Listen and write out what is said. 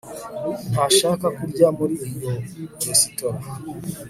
ntashaka kurya muri iyo resitora